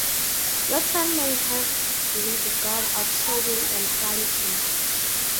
Saturn may have been the god of sowing and planting.